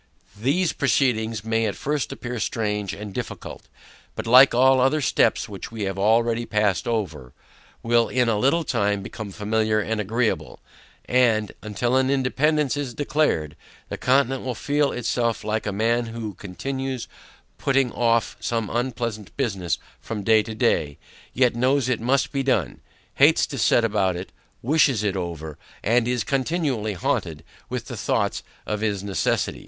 These proceedings may at first appear strange and difficult; but, like all other steps which we have already passed over, will in a little time become familiar and agreeable; and, until an independance is declared, the Continent will feel itself like a man who continues putting off some unpleasant business from day to day, yet knows it must be done, hates to set about it, wishes it over, and is continually haunted with the thoughts of its necessity.